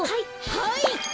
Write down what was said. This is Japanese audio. はい！